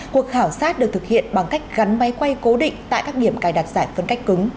cuộc khảo sát được thực hiện bằng cách gắn máy quay cố định tại các điểm cài đặt giải phân cách cứng